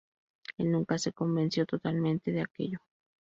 Él nunca se convenció totalmente de aquello.